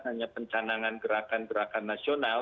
hanya pencanangan gerakan gerakan nasional